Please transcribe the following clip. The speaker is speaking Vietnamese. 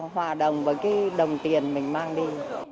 hòa đồng với cái đồng tiền mình mang đi